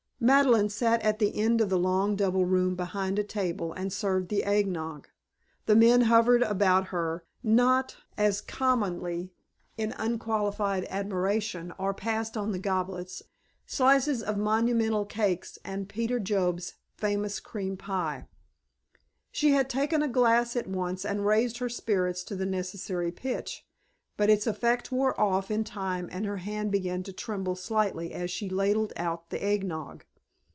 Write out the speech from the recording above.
Madeleine sat at the end of the long double room behind a table and served the eggnog. The men hovered about her, not, as commonly, in unqualified admiration, or passed on the goblets, slices of the monumental cakes, and Peter Job's famous cream pie. She had taken a glass at once and raised her spirits to the necessary pitch; but its effect wore off in time and her hand began to tremble slightly as she ladled out the eggnog.